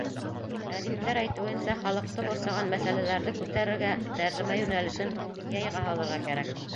Әҙиптәр әйтеүенсә, халыҡты борсоған мәсьәләләрҙе күтәрергә, тәржемә йүнәлешен яйға һалырға кәрәк.